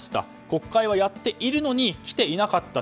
国会はやっているのに来ていなかった。